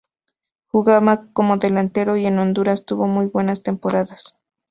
Jugaba como delantero y en Honduras tuvo muy buenas temporadas.